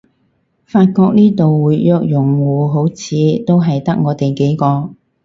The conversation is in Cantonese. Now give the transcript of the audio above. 發覺呢度活躍用戶好似都係得我哋幾個